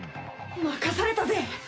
任されたぜ。